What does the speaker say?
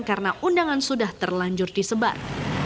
karena undangan sudah terlanjur disebar